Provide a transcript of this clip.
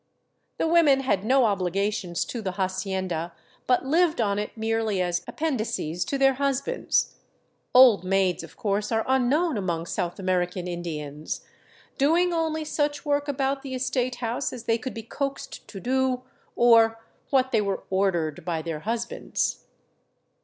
The women had no obligations to the hacienda, but lived on it merely as appen dices to their husbands — old maids, of course, are unknown among South American Indians — doing only such work about the estate house as they could be coaxed to do, or " what they were ordered by their husbands."